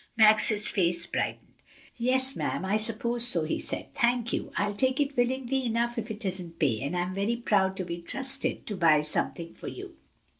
Max's face brightened. "Yes, ma'am, I suppose so," he said. "Thank you; I'll take it willingly enough if it isn't pay, and I'm very proud to be trusted to buy something for you."